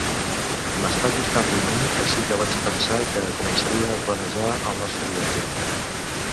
M'està costant dormir, així que vaig pensar que començaria a planejar el nostre viatge.